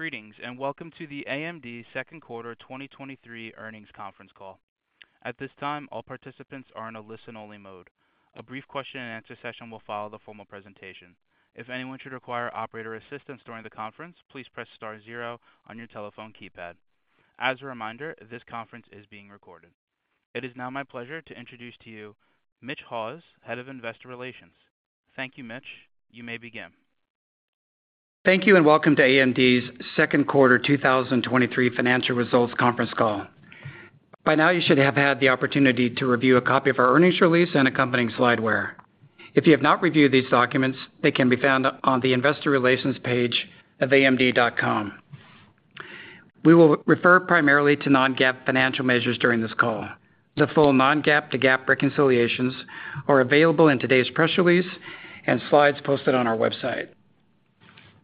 Greetings, and welcome to the AMD 2nd quarter 2023 earnings conference call. At this time, all participants are in a listen-only mode. A brief question-and-answer session will follow the formal presentation. If anyone should require operator assistance during the conference, please press star 0 on your telephone keypad. As a reminder, this conference is being recorded. It is now my pleasure to introduce to you Mitch Haws, Head of Investor Relations. Thank you, Mitch. You may begin. Thank you, and welcome to AMD's Q2 2023 financial results conference call. By now, you should have had the opportunity to review a copy of our earnings release and accompanying slideware. If you have not reviewed these documents, they can be found on the investor relations page of amd.com. We will refer primarily to non-GAAP financial measures during this call. The full non-GAAP to GAAP reconciliations are available in today's press release and slides posted on our website.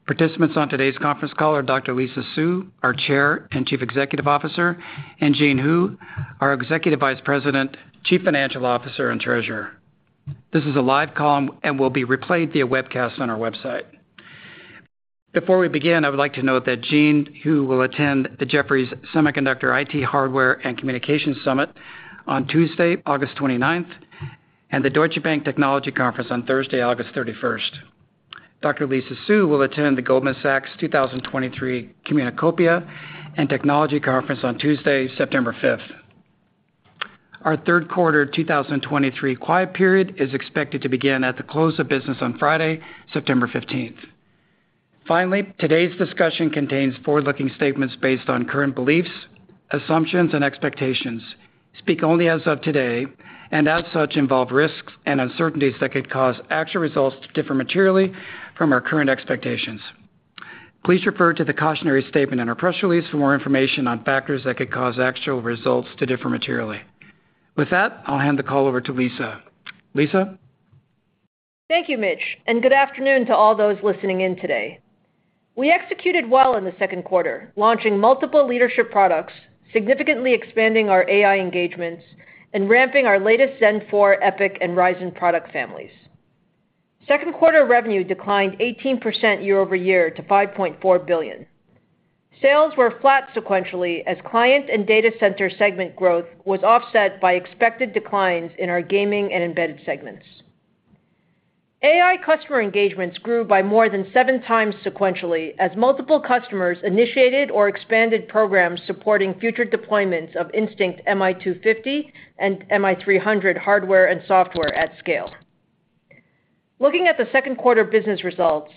Participants on today's conference call are Dr. Lisa Su, our Chair and Chief Executive Officer, and Jean Hu, our Executive Vice President, Chief Financial Officer, and Treasurer. This is a live call and will be replayed via webcast on our website. Before we begin, I would like to note that Jean Hu will attend the Jefferies Semiconductors, IT Hardware & Communications Technology Summit on Tuesday, August 29th, and the Deutsche Bank Technology Conference on Thursday, August 31st. Dr. Lisa Su will attend the Goldman Sachs Communacopia + Technology Conference on Tuesday, September 5th. Our Q3 2023 quiet period is expected to begin at the close of business on Friday, September 15th. Finally, today's discussion contains forward-looking statements based on current beliefs, assumptions, and expectations, speak only as of today, and as such, involve risks and uncertainties that could cause actual results to differ materially from our current expectations. Please refer to the cautionary statement in our press release for more information on factors that could cause actual results to differ materially. With that, I'll hand the call over to Lisa. Lisa? Thank you, Mitch, and good afternoon to all those listening in today. We executed well in the Q2, launching multiple leadership products, significantly expanding our AI engagements, and ramping our latest Zen 4 EPYC and Ryzen product families. Q2 revenue declined 18% year-over-year to $5.4 billion. Sales were flat sequentially as clients and data center segment growth was offset by expected declines in our gaming and embedded segments. AI customer engagements grew by more than 7 times sequentially, as multiple customers initiated or expanded programs supporting future deployments of Instinct MI250 and MI300 hardware and software at scale. Looking at the Q2 business results,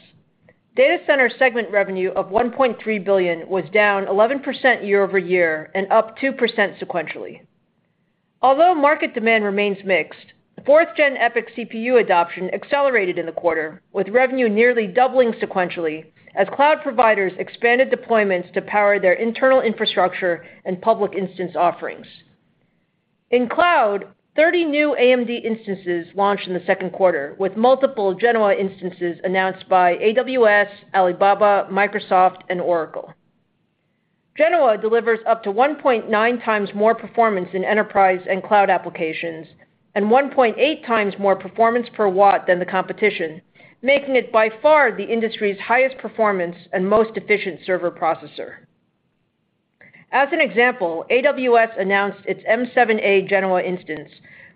data center segment revenue of $1.3 billion was down 11% year-over-year and up 2% sequentially. Although market demand remains mixed, the 4th-gen EPYC CPU adoption accelerated in the quarter, with revenue nearly doubling sequentially as cloud providers expanded deployments to power their internal infrastructure and public instance offerings. In cloud, 30 new AMD instances launched in the Q2, with multiple Genoa instances announced by AWS, Alibaba, Microsoft, and Oracle. Genoa delivers up to 1.9x more performance in enterprise and cloud applications, and 1.8x more performance per watt than the competition, making it by far the industry's highest performance and most efficient server processor. As an example, AWS announced its M7a Genoa instance,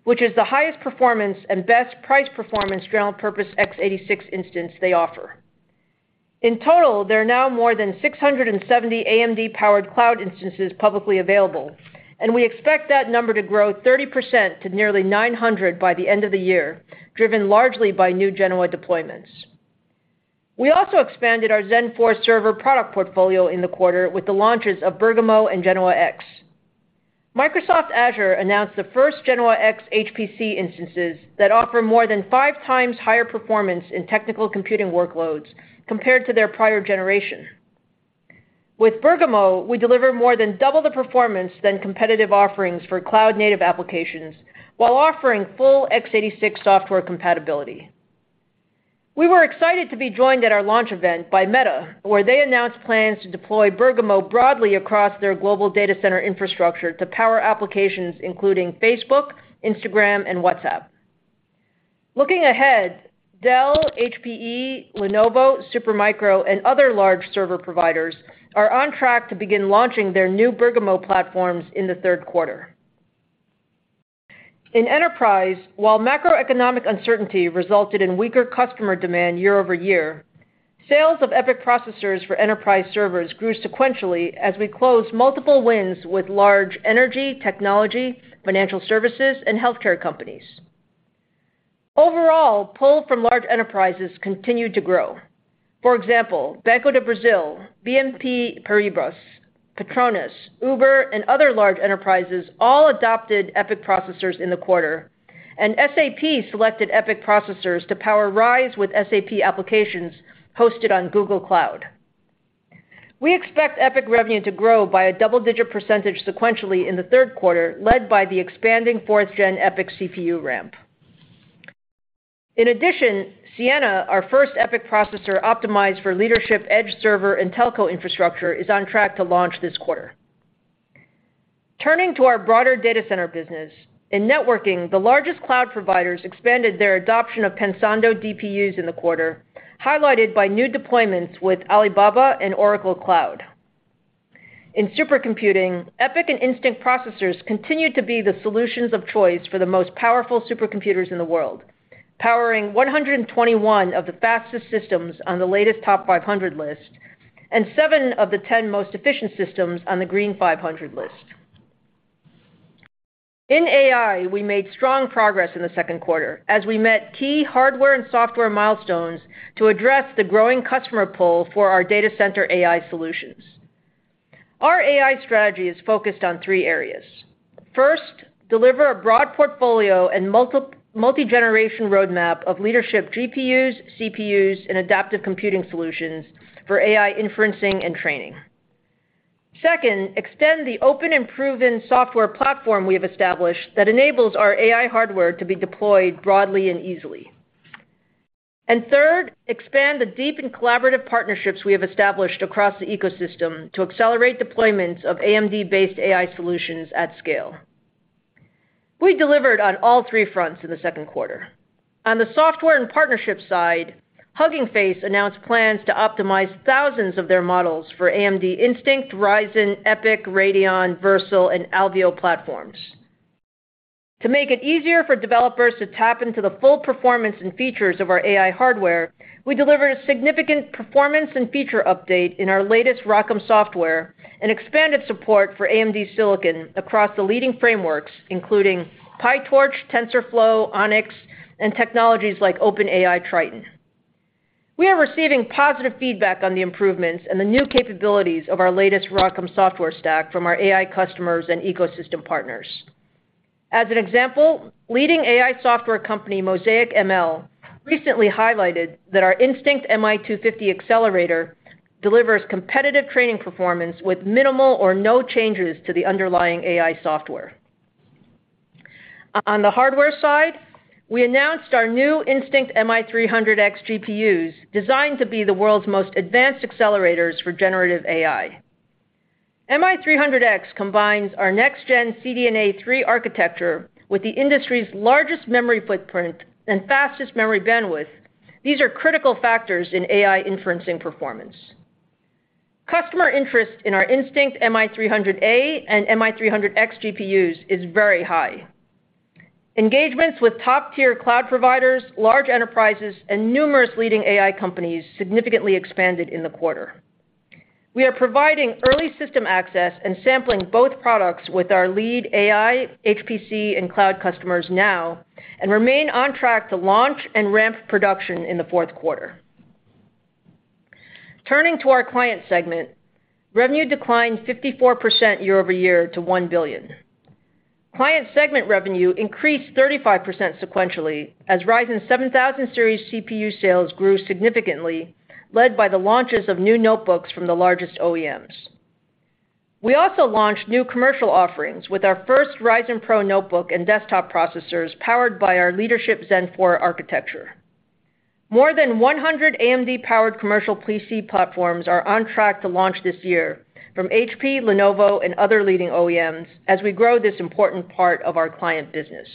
which is the highest performance and best price-performance general purpose x86 instance they offer. In total, there are now more than 670 AMD-powered cloud instances publicly available. We expect that number to grow 30% to nearly 900 by the end of the year, driven largely by new Genoa deployments. We also expanded our Zen 4 server product portfolio in the quarter with the launches of Bergamo and Genoa-X. Microsoft Azure announced the first Genoa-X HPC instances that offer more than 5 times higher performance in technical computing workloads compared to their prior generation. With Bergamo, we deliver more than double the performance than competitive offerings for cloud-native applications while offering full x86 software compatibility. We were excited to be joined at our launch event by Meta, where they announced plans to deploy Bergamo broadly across their global data center infrastructure to power applications including Facebook, Instagram, and WhatsApp. Looking ahead, Dell, HPE, Lenovo, Supermicro, and other large server providers are on track to begin launching their new Bergamo platforms in the Q3. In enterprise, while macroeconomic uncertainty resulted in weaker customer demand year-over-year, sales of EPYC processors for enterprise servers grew sequentially as we closed multiple wins with large energy, technology, financial services, and healthcare companies. Overall, pull from large enterprises continued to grow. For example, Banco do Brasil, BNP Paribas, Petronas, Uber, and other large enterprises all adopted EPYC processors in the quarter, and SAP selected EPYC processors to power RISE with SAP applications hosted on Google Cloud. We expect EPYC revenue to grow by a double-digit % sequentially in the Q3, led by the expanding fourth gen EPYC CPU ramp. In addition, Siena, our first EPYC processor, optimized for leadership, edge server, and telco infrastructure, is on track to launch this quarter.... Turning to our broader data center business. In networking, the largest cloud providers expanded their adoption of Pensando DPUs in the quarter, highlighted by new deployments with Alibaba and Oracle Cloud. In supercomputing, EPYC and Instinct processors continued to be the solutions of choice for the most powerful supercomputers in the world, powering 121 of the fastest systems on the latest TOP500 list, and 7 of the 10 most efficient systems on the Green500 list. In AI, we made strong progress in the Q2, as we met key hardware and software milestones to address the growing customer pull for our data center AI solutions. Our AI strategy is focused on three areas. First, deliver a broad portfolio and multigeneration roadmap of leadership GPUs, CPUs, and adaptive computing solutions for AI inferencing and training. Second, extend the open and proven software platform we have established that enables our AI hardware to be deployed broadly and easily. Third, expand the deep and collaborative partnerships we have established across the ecosystem to accelerate deployments of AMD-based AI solutions at scale. We delivered on all three fronts in the Q2. On the software and partnership side, Hugging Face announced plans to optimize thousands of their models for AMD Instinct, Ryzen, EPYC, Radeon, Versal, and Alveo platforms. To make it easier for developers to tap into the full performance and features of our AI hardware, we delivered a significant performance and feature update in our latest ROCm software, and expanded support for AMD Silicon across the leading frameworks, including PyTorch, TensorFlow, ONNX, and technologies like OpenAI Triton. We are receiving positive feedback on the improvements and the new capabilities of our latest ROCm software stack from our AI customers and ecosystem partners. As an example, leading AI software company, MosaicML, recently highlighted that our Instinct MI250 accelerator delivers competitive training performance with minimal or no changes to the underlying AI software. On the hardware side, we announced our new Instinct MI300X GPUs, designed to be the world's most advanced accelerators for generative AI. MI300X combines our next gen CDNA 3 architecture with the industry's largest memory footprint and fastest memory bandwidth. These are critical factors in AI inferencing performance. Customer interest in our Instinct MI300A and MI300X GPUs is very high. Engagements with top-tier cloud providers, large enterprises, and numerous leading AI companies significantly expanded in the quarter. We are providing early system access and sampling both products with our lead AI, HPC, and cloud customers now, and remain on track to launch and ramp production in the Q4. Turning to our client segment, revenue declined 54% year-over-year to $1 billion. Client segment revenue increased 35% sequentially as Ryzen 7000 Series CPU sales grew significantly, led by the launches of new notebooks from the largest OEMs. We also launched new commercial offerings with our first Ryzen PRO notebook and desktop processors, powered by our leadership Zen 4 architecture. More than 100 AMD-powered commercial PC platforms are on track to launch this year from HP, Lenovo, and other leading OEMs as we grow this important part of our client business.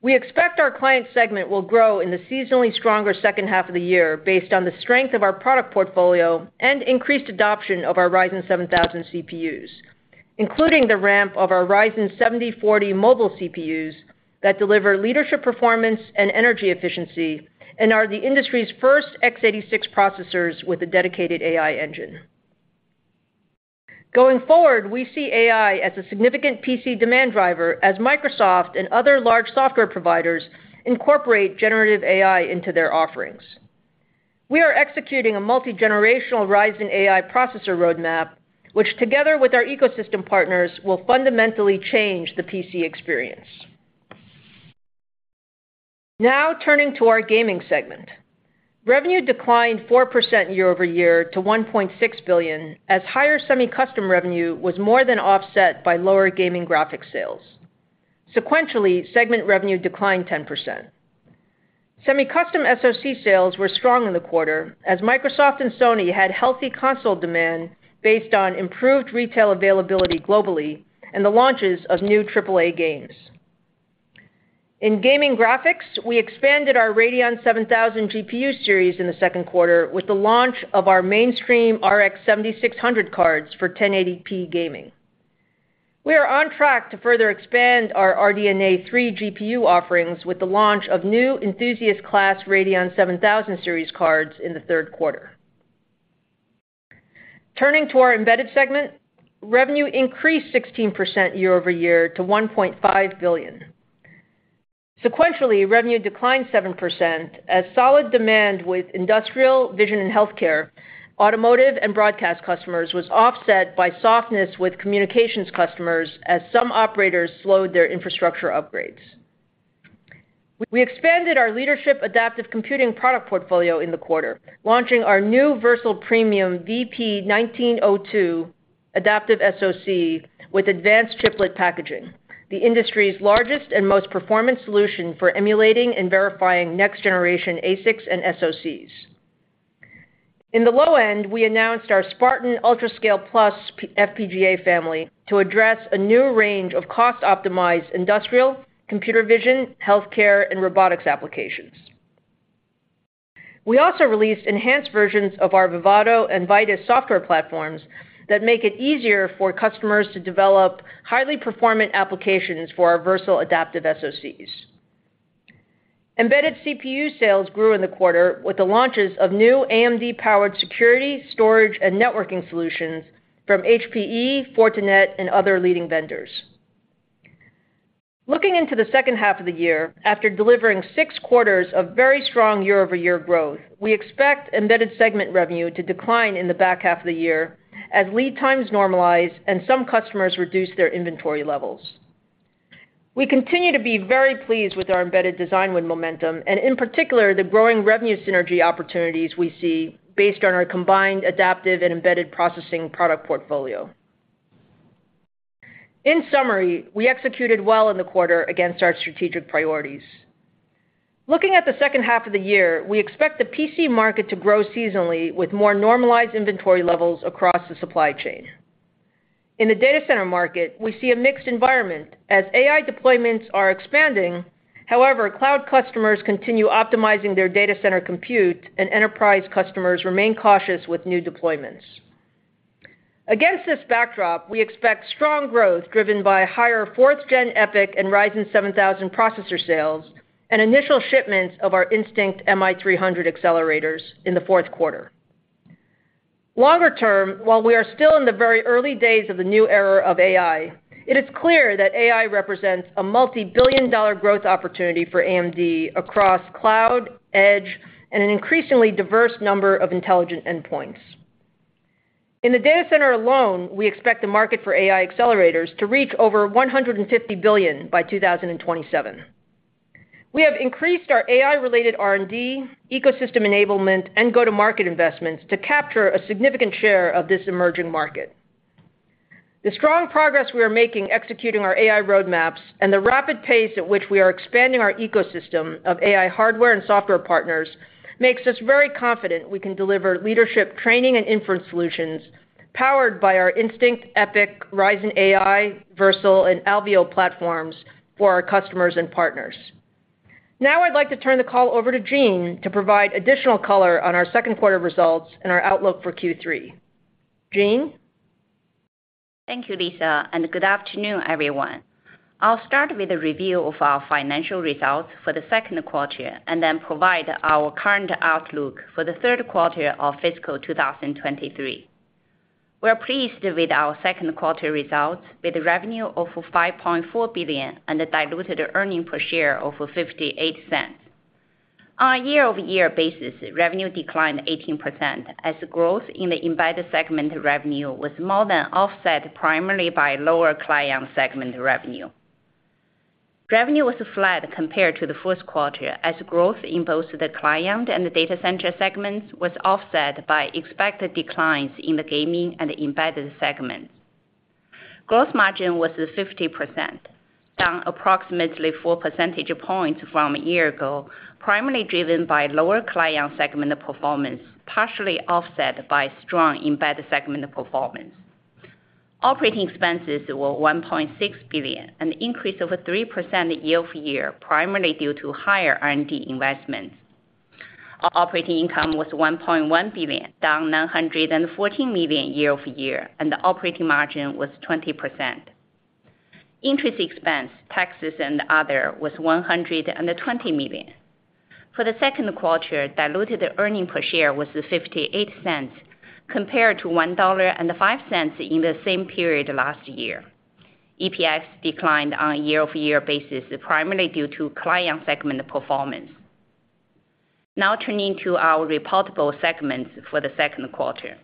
We expect our client segment will grow in the seasonally stronger second half of the year, based on the strength of our product portfolio and increased adoption of our Ryzen 7000 CPUs, including the ramp of our Ryzen 7040 mobile CPUs that deliver leadership, performance, and energy efficiency, and are the industry's first x86 processors with a dedicated AI engine. Going forward, we see AI as a significant PC demand driver as Microsoft and other large software providers incorporate generative AI into their offerings. We are executing a multigenerational Ryzen AI processor roadmap, which, together with our ecosystem partners, will fundamentally change the PC experience. Turning to our gaming segment. Revenue declined 4% year-over-year to $1.6 billion, as higher semi-custom revenue was more than offset by lower gaming graphic sales. Sequentially, segment revenue declined 10%. Semi-custom SoC sales were strong in the quarter, as Microsoft and Sony had healthy console demand based on improved retail availability globally and the launches of new AAA games. In gaming graphics, we expanded our Radeon 7000 GPU series in the Q2 with the launch of our mainstream RX 7600 cards for 1080p gaming. We are on track to further expand our RDNA 3 GPU offerings with the launch of new enthusiast class Radeon 7000 series cards in the Q3. Turning to our embedded segment, revenue increased 16% year-over-year to $1.5 billion. Sequentially, revenue declined 7%, as solid demand with industrial, vision, and healthcare, automotive, and broadcast customers was offset by softness with communications customers as some operators slowed their infrastructure upgrades. We expanded our leadership adaptive computing product portfolio in the quarter, launching our new Versal Premium VP1902 adaptive SoC with advanced chiplet packaging, the industry's largest and most performance solution for emulating and verifying next generation ASICs and SoCs. In the low end, we announced our Spartan UltraScale+ FPGA family to address a new range of cost-optimized industrial, computer vision, healthcare, and robotics applications. We also released enhanced versions of our Vivado and Vitis software platforms that make it easier for customers to develop highly performant applications for our versatile adaptive SoCs. Embedded CPU sales grew in the quarter with the launches of new AMD-powered security, storage, and networking solutions from HPE, Fortinet, and other leading vendors. Looking into the second half of the year, after delivering six quarters of very strong year-over-year growth, we expect Embedded segment revenue to decline in the back half of the year as lead times normalize and some customers reduce their inventory levels. We continue to be very pleased with our Embedded design win momentum, and in particular, the growing revenue synergy opportunities we see based on our combined adaptive and embedded processing product portfolio. In summary, we executed well in the quarter against our strategic priorities. Looking at the second half of the year, we expect the PC market to grow seasonally, with more normalized inventory levels across the supply chain. In the data center market, we see a mixed environment as AI deployments are expanding. Cloud customers continue optimizing their data center compute, and enterprise customers remain cautious with new deployments. Against this backdrop, we expect strong growth, driven by higher 4th Gen EPYC and Ryzen 7000 processor sales, and initial shipments of our Instinct MI300 accelerators in the Q4. Longer term, while we are still in the very early days of the new era of AI, it is clear that AI represents a multi-billion dollar growth opportunity for AMD across cloud, edge, and an increasingly diverse number of intelligent endpoints. In the data center alone, we expect the market for AI accelerators to reach over $150 billion by 2027. We have increased our AI-related R&D, ecosystem enablement, and go-to-market investments to capture a significant share of this emerging market. The strong progress we are making executing our AI roadmaps, and the rapid pace at which we are expanding our ecosystem of AI hardware and software partners, makes us very confident we can deliver leadership, training, and inference solutions powered by our Instinct, EPYC, Ryzen AI, Versal, and Alveo platforms for our customers and partners. Now, I'd like to turn the call over to Jean to provide additional color on our Q2 results and our outlook for Q3. Jean? Thank you, Lisa. Good afternoon, everyone. I'll start with a review of our financial results for the Q2, then provide our current outlook for the Q3 of fiscal 2023. We are pleased with our Q2 results, with revenue of $5.4 billion and a diluted earning per share of $0.58. On a year-over-year basis, revenue declined 18%, as growth in the Embedded segment revenue was more than offset primarily by lower Client segment revenue. Revenue was flat compared to the Q1, as growth in both the Client and the Data Center segments was offset by expected declines in the Gaming and the Embedded segments. Gross margin was 50%, down approximately 4 percentage points from a year ago, primarily driven by lower Client segment performance, partially offset by strong Embedded segment performance. Operating expenses were $1.6 billion, an increase of 3% year-over-year, primarily due to higher R&D investments. Our operating income was $1.1 billion, down $914 million year-over-year, the operating margin was 20%. Interest expense, taxes, and other was $120 million. For the Q2, diluted earning per share was $0.58, compared to $1.05 in the same period last year. EPS declined on a year-over-year basis, primarily due to Client segment performance. Turning to our reportable segments for the Q2.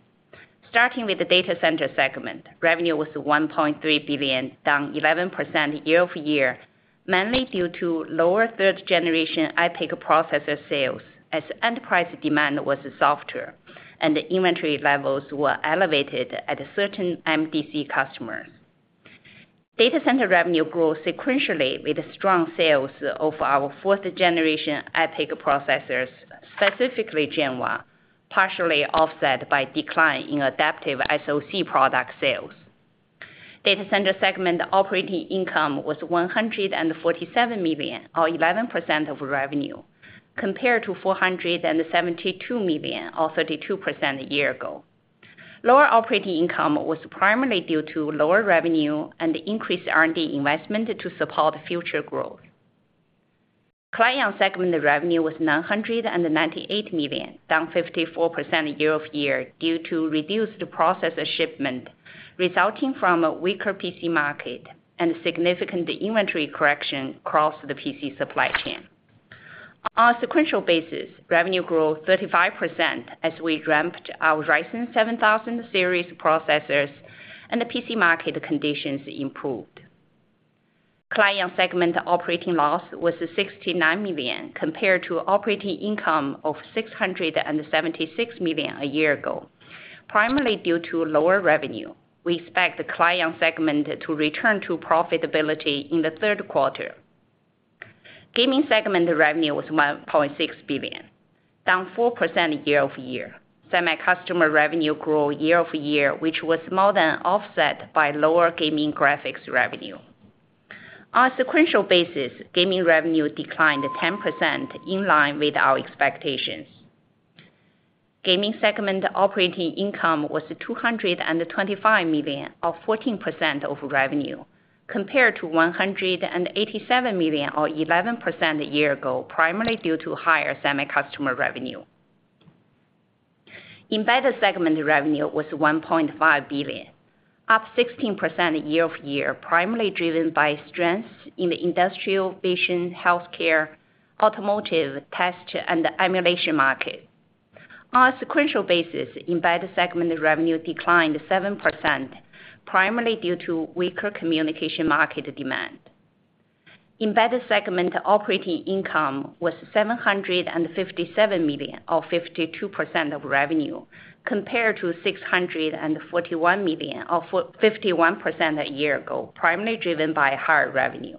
Starting with the Data Center segment, revenue was $1.3 billion, down 11% year-over-year, mainly due to lower third generation EPYC processor sales, as enterprise demand was softer and inventory levels were elevated at certain MDC customers. Data Center revenue grew sequentially with strong sales of our fourth generation EPYC processors, specifically Genoa, partially offset by decline in Adaptive SoC product sales. Data Center segment operating income was $147 million, or 11% of revenue, compared to $472 million, or 32% a year ago. Lower operating income was primarily due to lower revenue and increased R&D investment to support future growth. Client segment revenue was $998 million, down 54% year-over-year, due to reduced processor shipment, resulting from a weaker PC market and significant inventory correction across the PC supply chain. On a sequential basis, revenue grew 35% as we ramped our Ryzen 7000 Series processors and the PC market conditions improved. Client segment operating loss was $69 million, compared to operating income of $676 million a year ago, primarily due to lower revenue. We expect the Client segment to return to profitability in the Q3. Gaming segment revenue was $1.6 billion, down 4% year-over-year. Semi-custom revenue grew year-over-year, which was more than offset by lower gaming graphics revenue. On a sequential basis, gaming revenue declined 10%, in line with our expectations. Gaming segment operating income was $225 million or 14% of revenue, compared to $187 million or 11% a year ago, primarily due to higher semi-custom revenue. Embedded segment revenue was $1.5 billion, up 16% year-over-year, primarily driven by strength in the industrial, vision, healthcare, automotive, test, and emulation market. On a sequential basis, embedded segment revenue declined 7%, primarily due to weaker communication market demand. Embedded segment operating income was $757 million or 52% of revenue, compared to $641 million or 51% a year ago, primarily driven by higher revenue.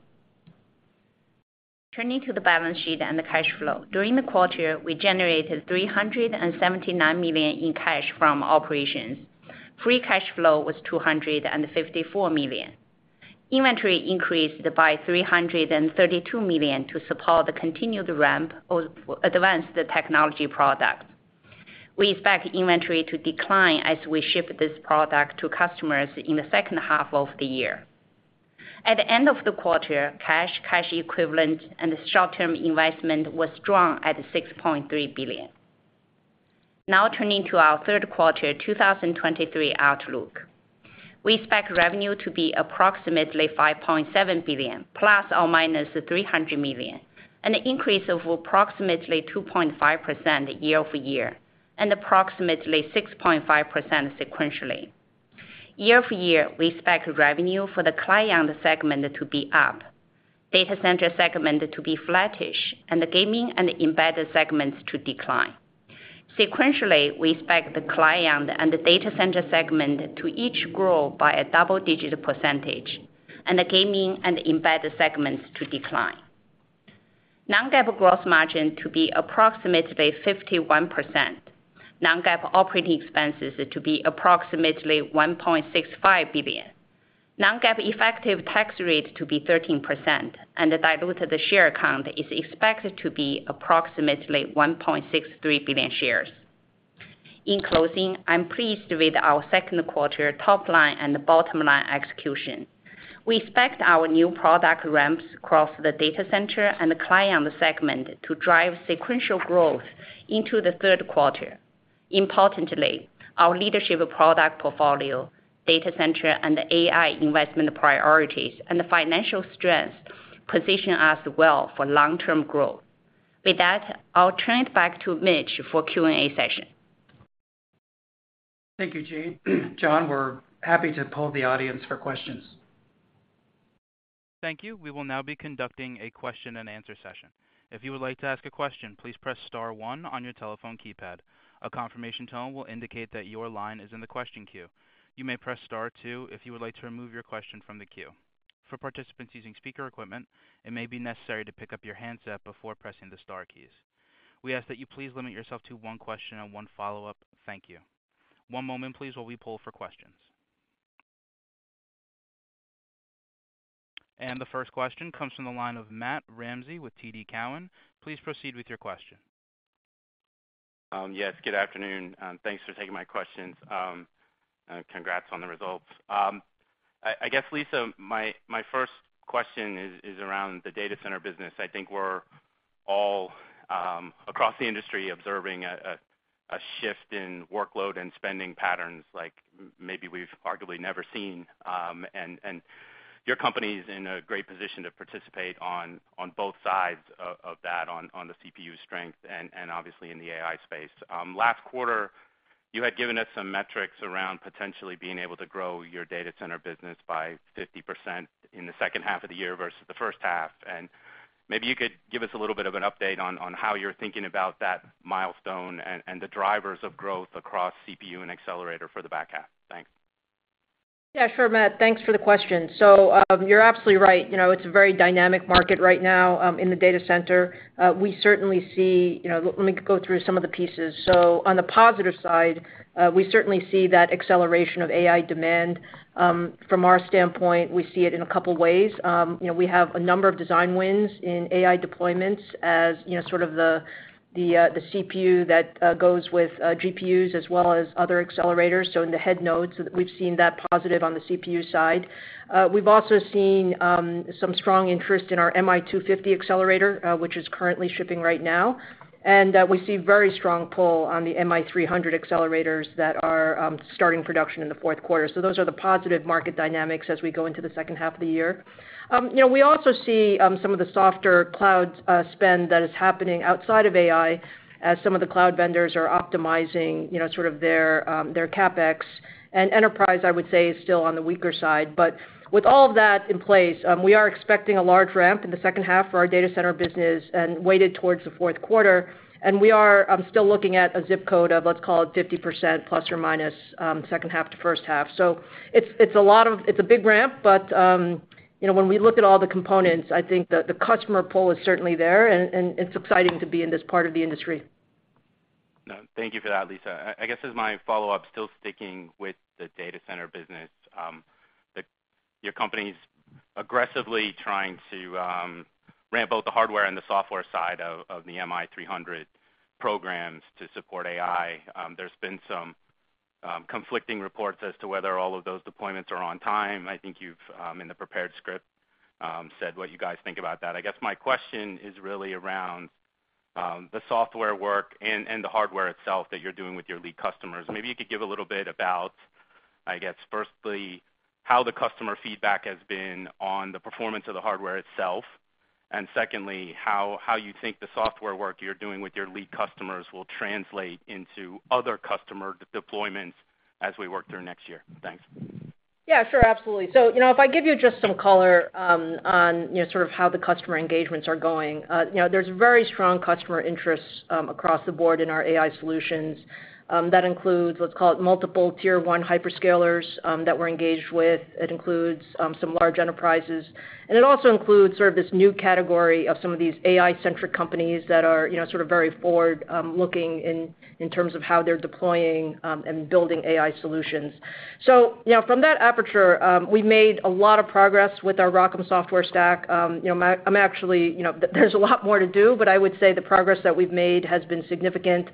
Turning to the balance sheet and the cash flow. During the quarter, we generated $379 million in cash from operations. Free cash flow was $254 million. Inventory increased by $332 million to support the continued ramp of advanced technology products. We expect inventory to decline as we ship this product to customers in the second half of the year. At the end of the quarter, cash, cash equivalent, and short-term investment was strong at $6.3 billion. Now turning to our Q3 2023 outlook. We expect revenue to be approximately $5.7 billion, ±$300 million, an increase of approximately 2.5% year-over-year and approximately 6.5% sequentially. Year-over-year, we expect revenue for the client segment to be up, data center segment to be flattish, and the gaming and embedded segments to decline. Sequentially, we expect the client and the data center segment to each grow by a double-digit percentage, and the gaming and embedded segments to decline. Non-GAAP gross margin to be approximately 51%. Non-GAAP operating expenses to be approximately $1.65 billion. Non-GAAP effective tax rate to be 13%, and the diluted share count is expected to be approximately 1.63 billion shares. In closing, I'm pleased with our Q2 top line and bottom-line execution. We expect our new product ramps across the data center and the client segment to drive sequential growth into the Q3. Importantly, our leadership product portfolio, data center, and AI investment priorities, and financial strength position us well for long-term growth. With that, I'll turn it back to Mitch for Q&A session. Thank you, Jean. John, we're happy to poll the audience for questions. Thank you. We will now be conducting a question-and-answer session. If you would like to ask a question, please press star 1 on your telephone keypad. A confirmation tone will indicate that your line is in the question queue. You may press Star 2 if you would like to remove your question from the queue. For participants using speaker equipment, it may be necessary to pick up your handset before pressing the star keys. We ask that you please limit yourself to one question and one follow-up. Thank you. One moment, please, while we poll for questions. The first question comes from the line of Matt Ramsay with TD Cowen. Please proceed with your question. Yes, good afternoon, thanks for taking my questions. Congrats on the results. I, I guess, Lisa, my, my first question is, is around the data center business. I think we're all across the industry observing a, a, a shift in workload and spending patterns, like maybe we've arguably never seen. And, and your company is in a great position to participate on, on both sides of, of that, on, on the CPU strength and, and obviously in the AI space. Last quarter, you had given us some metrics around potentially being able to grow your data center business by 50% in the second half of the year versus the first half. Maybe you could give us a little bit of an update on, on how you're thinking about that milestone and, and the drivers of growth across CPU and accelerator for the back half. Thanks. Yeah, sure, Matt. Thanks for the question. You're absolutely right. You know, it's a very dynamic market right now, in the data center. We certainly see. You know, let me go through some of the pieces. On the positive side, we certainly see that acceleration of AI demand. From our standpoint, we see it in a couple of ways. You know, we have a number of design wins in AI deployments as, you know, sort of the, the CPU that goes with GPUs as well as other accelerators. In the head nodes, we've seen that positive on the CPU side. We've also seen some strong interest in our MI250 accelerator, which is currently shipping right now, and we see very strong pull on the MI300 accelerators that are starting production in the Q4. Those are the positive market dynamics as we go into the second half of the year. You know, we also see some of the softer cloud spend that is happening outside of AI, as some of the cloud vendors are optimizing, you know, sort of their CapEx. Enterprise, I would say, is still on the weaker side. With all of that in place, we are expecting a large ramp in the second half for our data center business and weighted towards the Q4. We are, still looking at a zip code of, let's call it, 50% ±, second half to first half. It's a big ramp, you know, when we look at all the components, I think the, the customer pull is certainly there, and, and it's exciting to be in this part of the industry. No, thank you for that, Lisa. I, I guess as my follow-up, still sticking with the data center business, the-- your company's aggressively trying to ramp both the hardware and the software side of, of the MI300 programs to support AI. There's been some conflicting reports as to whether all of those deployments are on time. I think you've in the prepared script said what you guys think about that. I guess my question is really around the software work and, and the hardware itself that you're doing with your lead customers. Maybe you could give a little bit about, I guess, firstly, how the customer feedback has been on the performance of the hardware itself, and secondly, how, how you think the software work you're doing with your lead customers will translate into other customer deployments as we work through next year? Thanks. Yeah, sure. Absolutely. You know, if I give you just some color, on, you know, sort of how the customer engagements are going, you know, there's very strong customer interest, across the board in our AI solutions. That includes, let's call it, multiple tier one hyperscalers, that we're engaged with. It includes, some large enterprises, and it also includes sort of this new category of some of these AI-centric companies that are, you know, sort of very forward, looking in, in terms of how they're deploying, and building AI solutions. You know, from that aperture, we've made a lot of progress with our ROCm software stack. You know, I'm actually, you know, there's a lot more to do, but I would say the progress that we've made has been significant.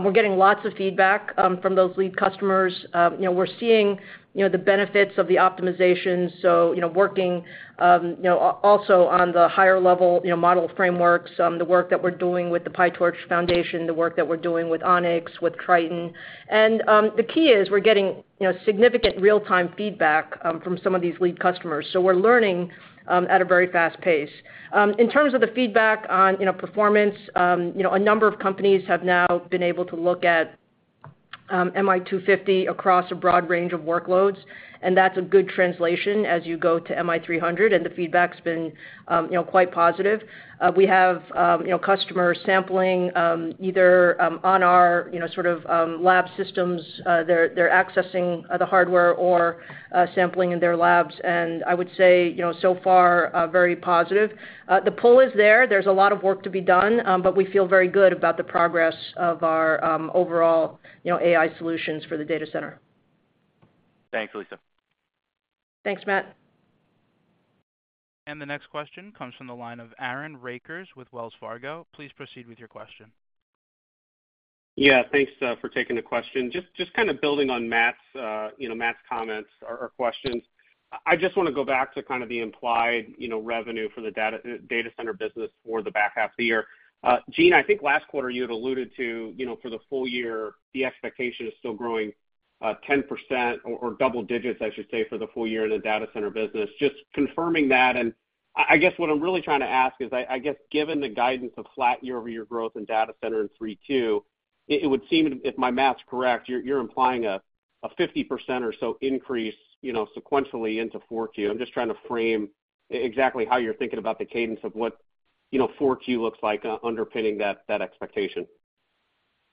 We're getting lots of feedback from those lead customers. You know, we're seeing, you know, the benefits of the optimization, so, you know, working, you know, also on the higher level, you know, model frameworks, the work that we're doing with the PyTorch Foundation, the work that we're doing with ONNX, with Triton. The key is we're getting, you know, significant real-time feedback from some of these lead customers, so we're learning at a very fast pace. In terms of the feedback on, you know, performance, you know, a number of companies have now been able to look at MI250 across a broad range of workloads, and that's a good translation as you go to MI300, and the feedback's been, you know, quite positive. We have, you know, customers sampling, either on our, you know, sort of, lab systems. They're accessing the hardware or sampling in their labs, and I would say, you know, so far, very positive. The pull is there. There's a lot of work to be done, but we feel very good about the progress of our overall, you know, AI solutions for the data center. Thanks, Lisa. Thanks, Matt. The next question comes from the line of Aaron Rakers with Wells Fargo. Please proceed with your question. Yeah, thanks for taking the question. Just, just kind of building on Matt's, you know, Matt's comments or, or questions. I just wanna go back to kind of the implied, you know, revenue for the data center business for the back half of the year. Jean, I think last quarter you had alluded to, you know, for the full year, the expectation is still growing 10% or, or double digits, I should say, for the full year in the data center business. Just confirming that, and I, I guess what I'm really trying to ask is, I, I guess, given the guidance of flat year-over-year growth in data center in 3Q, it, it would seem, if my math's correct, you're, you're implying a, a 50% or so increase, you know, sequentially into 4Q. I'm just trying to frame exactly how you're thinking about the cadence of what, you know, 4 Q looks like, underpinning that, that expectation.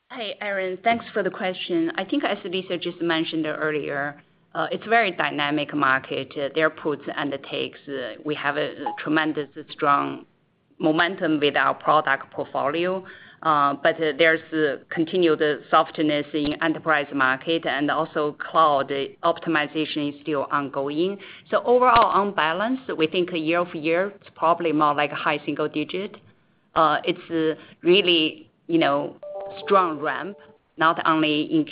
Hi, Aaron. Thanks for the question. I think as Lisa just mentioned earlier, it's a very dynamic market. There are puts and the takes. We have a tremendous, strong momentum with our product portfolio, but there's a continued softness in enterprise market and also cloud. The optimization is still ongoing. Overall, on balance, we think year-over-year, it's probably more like a high single-digit. It's a really, you know, strong ramp, not only in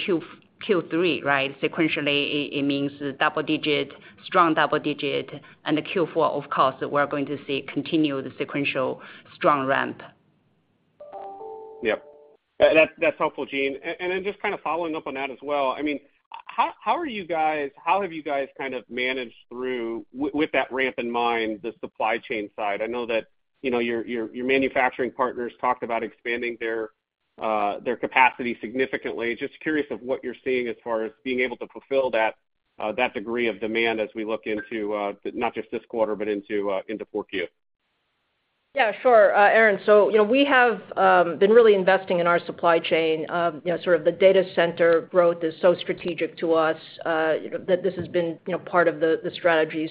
Q3, right. Sequentially, it, it means double-digit, strong double-digit, and Q4, of course, we're going to see continued sequential strong ramp. Yep. That's, that's helpful, Jean. Then just kind of following up on that as well, I mean, how have you guys kind of managed through, with, with that ramp in mind, the supply chain side? I know that, you know, your, your, your manufacturing partners talked about expanding their capacity significantly. Just curious of what you're seeing as far as being able to fulfill that degree of demand as we look into not just this quarter, but into into four Q. Yeah, sure, Aaron. You know, we have been really investing in our supply chain. You know, sort of the data center growth is so strategic to us that this has been, you know, part of the, the strategy.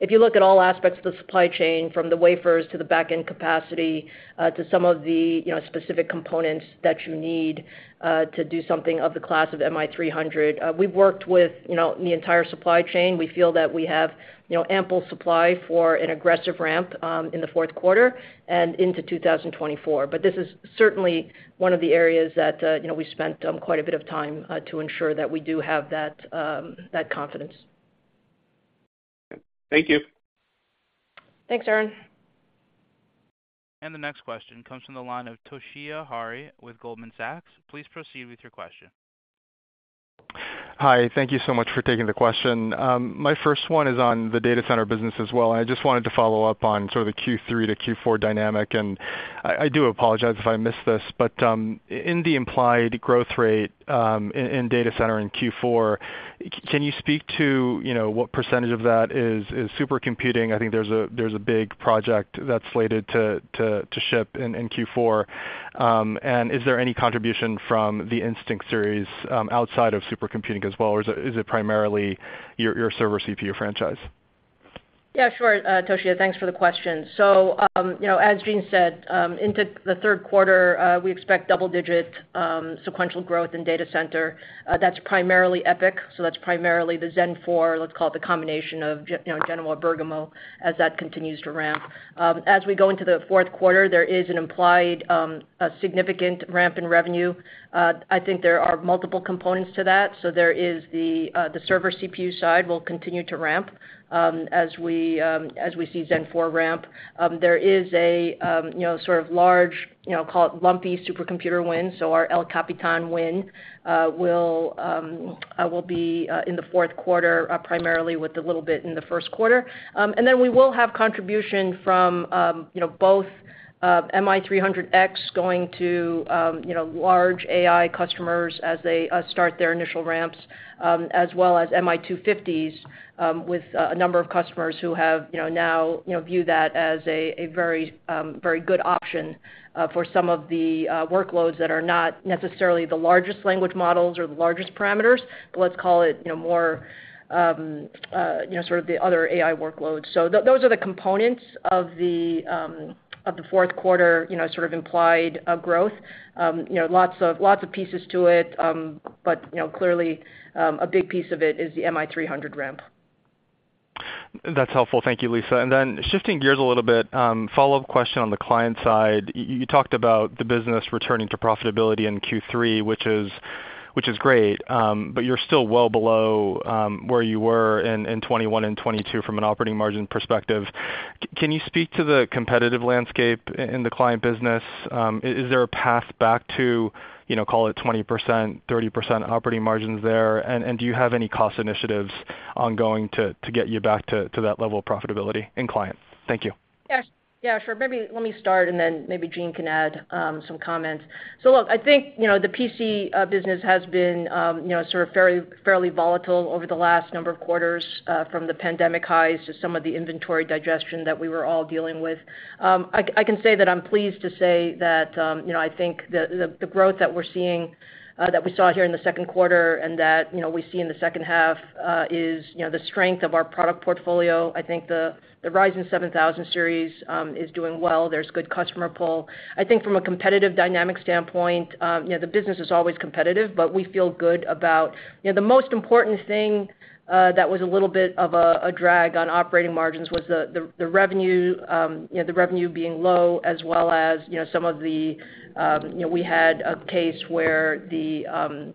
If you look at all aspects of the supply chain, from the wafers to the back-end capacity, to some of the, you know, specific components that you need, to do something of the class of MI300, we've worked with, you know, the entire supply chain. We feel that we have, you know, ample supply for an aggressive ramp, in the Q4 and into 2024. This is certainly one of the areas that, you know, we spent quite a bit of time to ensure that we do have that confidence. Thank you. Thanks, Aaron. The next question comes from the line of Toshiya Hari with Goldman Sachs. Please proceed with your question. Hi, thank you so much for taking the question. My first one is on the data center business as well. I just wanted to follow up on sort of the Q3 to Q4 dynamic, and I, I do apologize if I missed this, but in the implied growth rate in data center in Q4, can you speak to, you know, what percentage of that is supercomputing? I think there's a big project that's slated to ship in Q4. And is there any contribution from the Instinct series outside of supercomputing as well, or is it primarily your server CPU franchise? Yeah, sure, Toshiya, thanks for the question. You know, as Jean said, into the Q3, we expect double-digit sequential growth in data center. That's primarily EPYC, so that's primarily the Zen 4, let's call it the combination of you know, Genoa and Bergamo, as that continues to ramp. As we go into the Q4, there is an implied, a significant ramp in revenue. I think there are multiple components to that. There is the, the server CPU side will continue to ramp, as we, as we see Zen 4 ramp. There is a large lumpy supercomputer win, so our El Capitan win will be in the Q4, primarily with a little bit in the Q1. We will have contribution from both MI300X going to large AI customers as they start their initial ramps, as well as MI250s with a number of customers who have now view that as a very very good option for some of the workloads that are not necessarily the largest language models or the largest parameters, but more the other AI workloads. Those are the components of the, of the Q4, you know, sort of implied, growth. You know, lots of, lots of pieces to it, but, you know, clearly, a big piece of it is the MI300 ramp. That's helpful. Thank you, Lisa. Then shifting gears a little bit, follow-up question on the client side. You talked about the business returning to profitability in Q3, which is, which is great, but you're still well below, where you were in, in 2021 and 2022 from an operating margin perspective. Can you speak to the competitive landscape in the client business? Is, is there a path back to, you know, call it 20%, 30% operating margins there? Do you have any cost initiatives ongoing to, to get you back to, to that level of profitability in client? Thank you. Yeah. Yeah, sure. Maybe let me start, and then maybe Jean can add some comments. Look, I think, you know, the PC business has been, you know, sort of fairly volatile over the last number of quarters, from the pandemic highs to some of the inventory digestion that we were all dealing with. I can say that I'm pleased to say that, you know, I think the, the, the growth that we're seeing, that we saw here in the Q2 and that, you know, we see in the second half, is, you know, the strength of our product portfolio. I think the, the Ryzen 7000 Series is doing well. There's good customer pull. I think from a competitive dynamic standpoint, you know, the business is always competitive, but we feel good about... You know, the most important thing, that was a little bit of a, a drag on operating margins was the, the, the revenue, you know, the revenue being low, as well as, you know, some of the, you know, we had a case where the,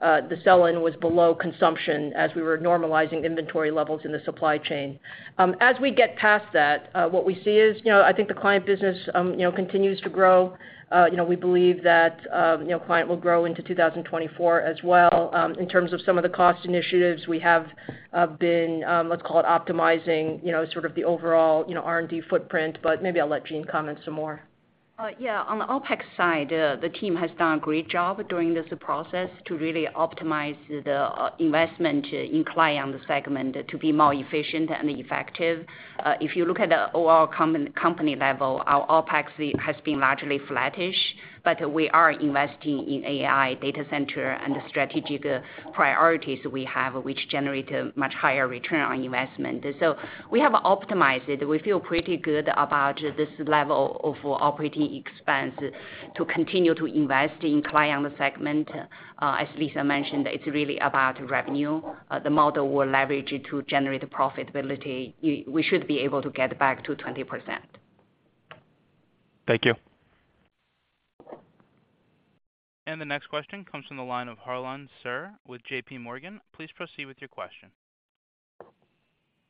the sell-in was below consumption as we were normalizing inventory levels in the supply chain. As we get past that, what we see is, you know, I think the client business, you know, continues to grow. You know, we believe that, you know, client will grow into 2024 as well. In terms of some of the cost initiatives, we have been, let's call it, optimizing, you know, sort of the overall, you know, R&D footprint, but maybe I'll let Jean comment some more. Yeah, on the OpEx side, the team has done a great job during this process to really optimize the investment in client segment to be more efficient and effective. If you look at the overall company level, our OpEx has been largely flattish, but we are investing in AI, data center, and the strategic priorities we have, which generate a much higher return on investment. We have optimized it. We feel pretty good about this level of operating expense to continue to invest in client segment. As Lisa mentioned, it's really about revenue. The model will leverage it to generate profitability. We should be able to get back to 20%. Thank you. The next question comes from the line of Harlan Sur with JP Morgan. Please proceed with your question.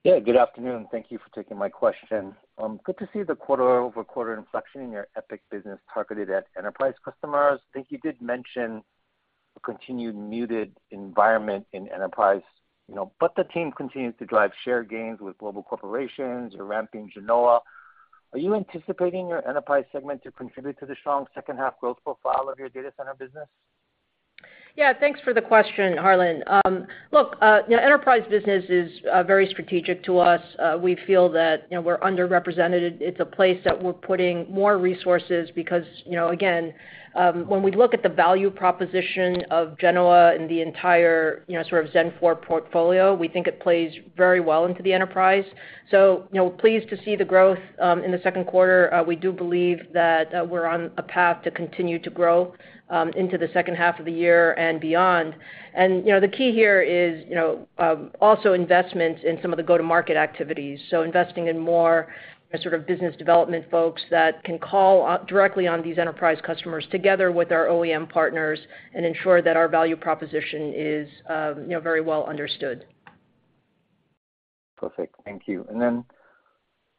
Yeah, good afternoon. Thank you for taking my question. Good to see the quarter-over-quarter inflection in your EPYC business targeted at enterprise customers. I think you did mention a continued muted environment in enterprise, you know, but the team continues to drive share gains with global corporations. You're ramping Genoa. Are you anticipating your enterprise segment to contribute to the strong second half growth profile of your data center business? Yeah, thanks for the question, Harlan. Look, you know, enterprise business is very strategic to us. We feel that, you know, we're underrepresented. It's a place that we're putting more resources because, you know, again, when we look at the value proposition of Genoa and the entire, you know, sort of Zen 4 portfolio, we think it plays very well into the enterprise. You know, pleased to see the growth in the Q2. We do believe that we're on a path to continue to grow into the second half of the year and beyond. You know, the key here is, you know, also investments in some of the go-to-market activities. Investing in more sort of business development folks that can call directly on these enterprise customers, together with our OEM partners, and ensure that our value proposition is, you know, very well understood. Perfect. Thank you. Then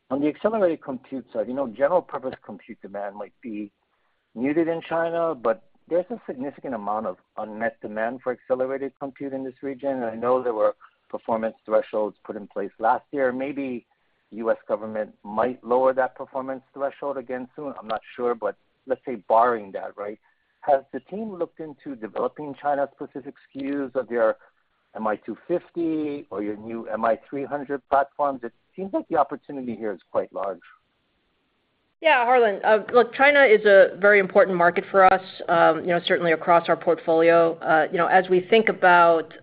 on the accelerated compute side, you know, general purpose compute demand might be muted in China, but there's a significant amount of unmet demand for accelerated compute in this region, and I know there were performance thresholds put in place last year. Maybe U.S. government might lower that performance threshold again soon. I'm not sure, but let's say barring that, right? Has the team looked into developing China-specific SKUs of their MI250 or your new MI300 platforms? It seems like the opportunity here is quite large. Harlan, look, China is a very important market for us, you know, certainly across our portfolio. You know, as we think about,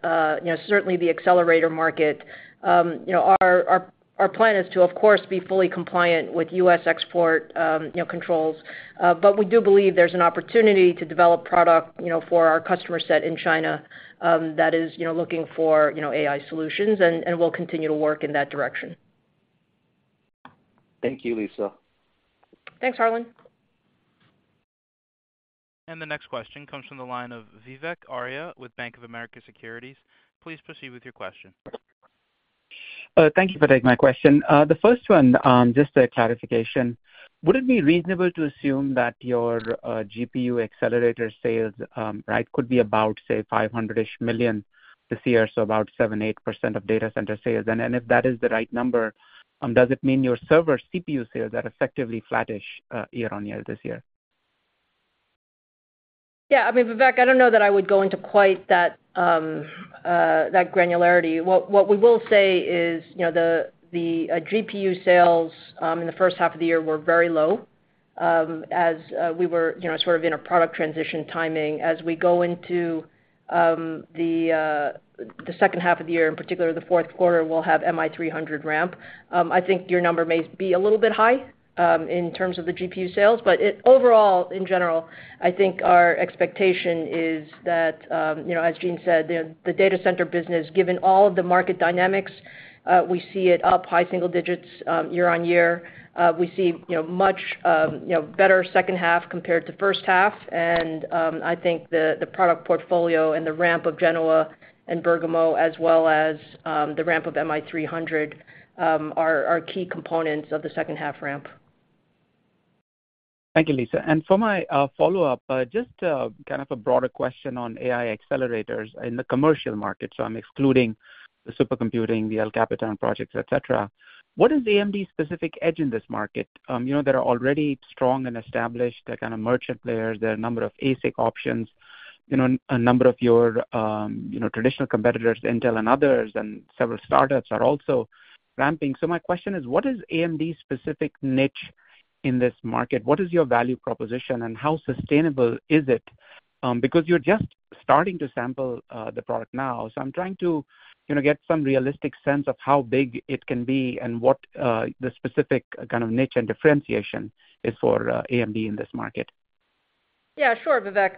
you know, certainly the accelerator market, you know, our, our, our plan is to, of course, be fully compliant with U.S. export, you know, controls. We do believe there's an opportunity to develop product, you know, for our customer set in China, that is, you know, looking for, you know, AI solutions, and, and we'll continue to work in that direction. Thank you, Lisa. Thanks, Harlan. The next question comes from the line of Vivek Arya with Bank of America Securities. Please proceed with your question. Thank you for taking my question. The first one, just a clarification. Would it be reasonable to assume that your GPU accelerator sales, right, could be about, say, $500 million this year, so about 7%-8% of data center sales? If that is the right number, does it mean your server CPU sales are effectively flattish, year-on-year this year? Yeah. I mean, Vivek, I don't know that I would go into quite that granularity. What, what we will say is, you know, the, the GPU sales in the first half of the year were very low as we were, you know, sort of in a product transition timing. As we go into the second half of the year, in particular, the Q4, we'll have MI300 ramp. I think your number may be a little bit high in terms of the GPU sales. But overall, in general, I think our expectation is that, you know, as Jean said, the data center business, given all of the market dynamics, we see it up high single digits year-on-year. We see, you know, much, you know, better second half compared to first half, and, I think the, the product portfolio and the ramp of Genoa and Bergamo, as well as, the ramp of MI300, are, are key components of the second half ramp. Thank you, Lisa. For my follow-up, just kind of a broader question on AI accelerators in the commercial market, so I'm excluding the supercomputing, the El Capitan projects, et cetera. What is AMD's specific edge in this market? You know, there are already strong and established kind of merchant players. There are a number of ASIC options. You know, a number of your, you know, traditional competitors, Intel and others, and several startups are also ramping. My question is: What is AMD's specific niche in this market? What is your value proposition, and how sustainable is it? Because you're just starting to sample the product now. I'm trying to, you know, get some realistic sense of how big it can be and what the specific kind of niche and differentiation is for AMD in this market. Yeah, sure, Vivek.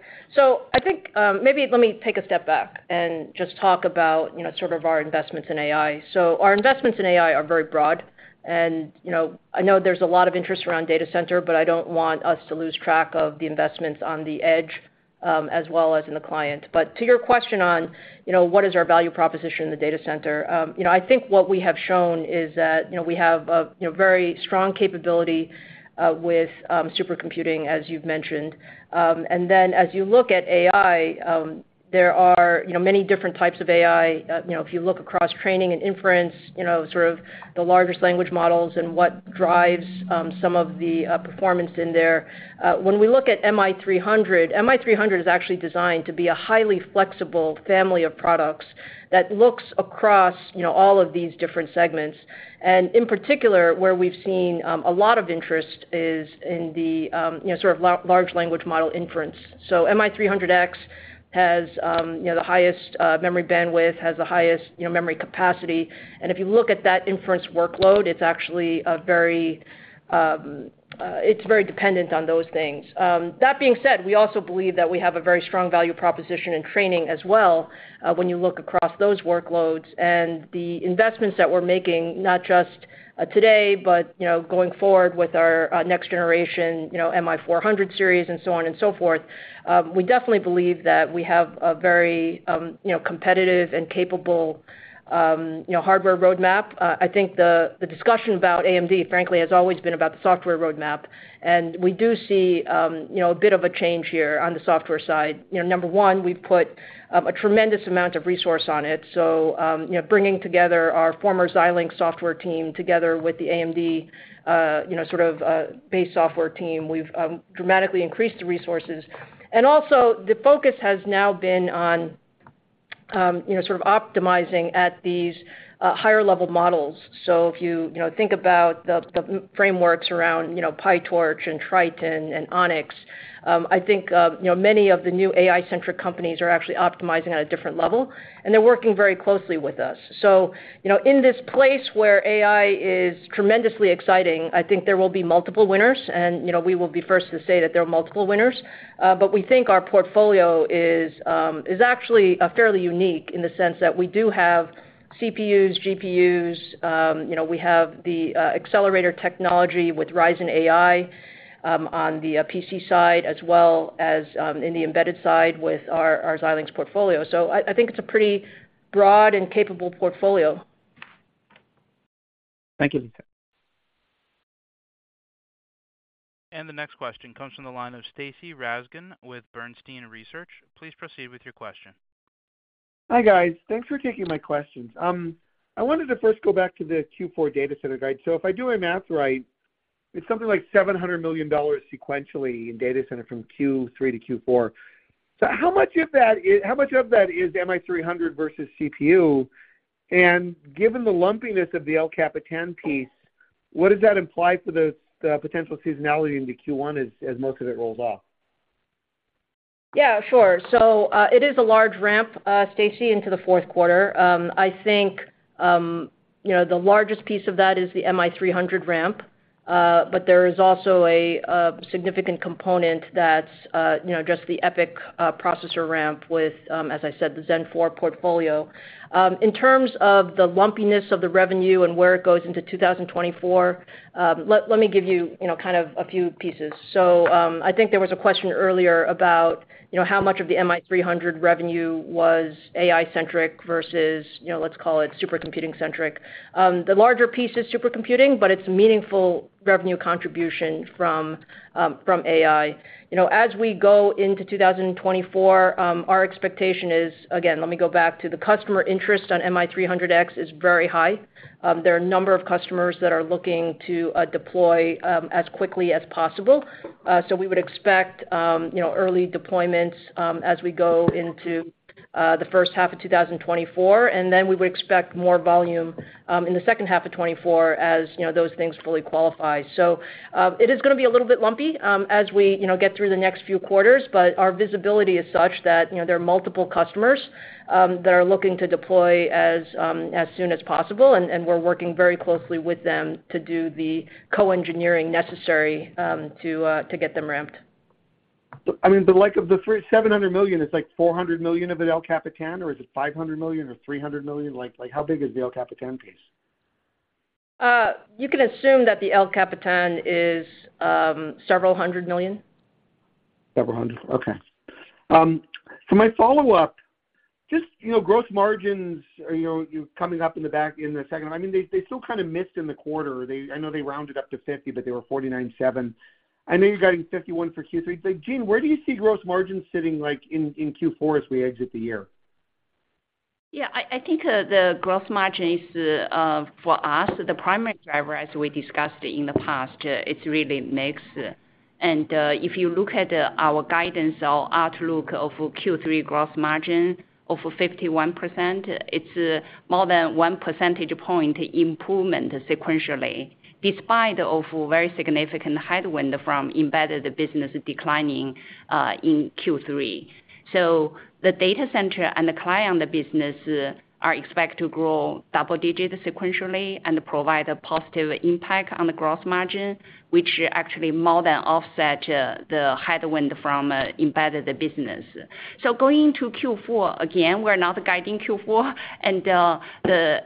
I think, maybe let me take a step back and just talk about, you know, sort of our investments in AI. Our investments in AI are very broad, and, you know, I know there's a lot of interest around data center, but I don't want us to lose track of the investments on the edge, as well as in the client. To your question on, you know, what is our value proposition in the data center? You know, I think what we have shown is that, you know, we have a, you know, very strong capability with supercomputing, as you've mentioned. As you look at AI, there are, you know, many different types of AI. You know, if you look across training and inference, you know, sort of the largest language models and what drives, some of the, performance in there. When we look at MI300, MI300 is actually designed to be a highly flexible family of products that looks across, you know, all of these different segments. In particular, where we've seen, a lot of interest is in the, you know, sort of large language model inference. MI300X has, you know, the highest, memory bandwidth, has the highest, you know, memory capacity. If you look at that inference workload, it's actually a very, it's very dependent on those things. That being said, we also believe that we have a very strong value proposition in training as well, when you look across those workloads and the investments that we're making, not just today, but, you know, going forward with our next generation, you know, MI400 series and so on and so forth. We definitely believe that we have a very, you know, competitive and capable, you know, hardware roadmap. I think the, the discussion about AMD, frankly, has always been about the software roadmap, and we do see, you know, a bit of a change here on the software side. You know, number one, we've put a tremendous amount of resource on it. You know, bringing together our former Xilinx software team together with the AMD, you know, sort of, base software team, we've dramatically increased the resources. Also, the focus has now been on, you know, sort of optimizing at these, higher-level models. If you, you know, think about the, the frameworks around, you know, PyTorch and Triton and ONNX, I think, you know, many of the new AI-centric companies are actually optimizing at a different level, and they're working very closely with us. You know, in this place where AI is tremendously exciting, I think there will be multiple winners, and, you know, we will be first to say that there are multiple winners. We think our portfolio is actually fairly unique in the sense that we do have CPUs, GPUs, you know, we have the accelerator technology with Ryzen AI on the PC side, as well as in the embedded side with our Xilinx portfolio. I think it's a pretty broad and capable portfolio. Thank you. The next question comes from the line of Stacy Rasgon with Bernstein Research. Please proceed with your question. Hi, guys. Thanks for taking my questions. I wanted to first go back to the Q4 data center, right? If I do my math right, it's something like $700 million sequentially in data center from Q3 to Q4. How much of that is, how much of that is MI300 versus CPU? Given the lumpiness of the El Capitan piece, what does that imply for the potential seasonality into Q1 as most of it rolls off? Yeah, sure. It is a large ramp, Stacy, into the Q4. I think, you know, the largest piece of that is the MI300 ramp, but there is also a significant component that's, you know, just the EPYC processor ramp with, as I said, the Zen 4 portfolio. In terms of the lumpiness of the revenue and where it goes into 2024, let, let me give you, you know, kind of a few pieces. I think there was a question earlier about, you know, how much of the MI300 revenue was AI-centric versus, you know, let's call it supercomputing-centric. The larger piece is supercomputing, but it's meaningful revenue contribution from AI. You know, as we go into 2024, our expectation is-- again, let me go back to the customer interest on MI300X is very high. There are a number of customers that are looking to deploy as quickly as possible. We would expect, you know, early deployments as we go into the first half of 2024, and then we would expect more volume in the second half of 2024, as, you know, those things fully qualify. It is gonna be a little bit lumpy, as we, you know, get through the next few quarters, but our visibility is such that, you know, there are multiple customers, that are looking to deploy as soon as possible, and, and we're working very closely with them to do the co-engineering necessary, to get them ramped. I mean, but, like, of the $700 million, it's like $400 million of it, El Capitan, or is it $500 million or $300 million? Like, like, how big is the El Capitan piece? You can assume that the El Capitan is, $several hundred million. Several hundred, okay. For my follow-up, just, you know, gross margins, you know, coming up in the back in the second. I mean, they still kind of missed in the quarter. I know they rounded up to 50%, but they were 49.7%. I know you're guiding 51% for Q3, but Jean, where do you see gross margins sitting, like, in, in Q4 as we exit the year? I think the gross margin is for us, the primary driver, as we discussed in the past, it's really mix. If you look at our guidance or outlook of Q3 gross margin of 51%, it's more than 1 percentage point improvement sequentially, despite of a very significant headwind from embedded business declining in Q3. The data center and the client business are expected to grow double digits sequentially and provide a positive impact on the gross margin, which actually more than offset the headwind from embedded business. Going into Q4, again, we're not guiding Q4, and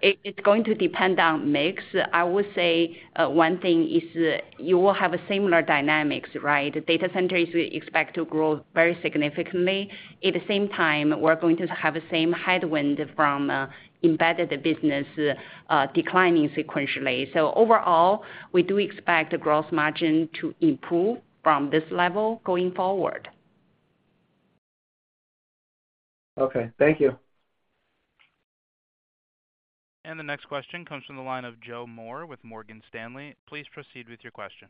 it's going to depend on mix. I would say, one thing is you will have a similar dynamics, right? Data centers, we expect to grow very significantly. At the same time, we're going to have the same headwind from embedded business declining sequentially. Overall, we do expect the gross margin to improve from this level going forward. Okay, thank you. The next question comes from the line of Joseph Moore with Morgan Stanley. Please proceed with your question.